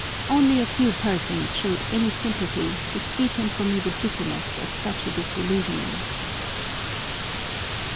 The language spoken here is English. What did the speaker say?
Only a few persons showed any sympathy to sweeten for me the bitterness of such a disillusioning.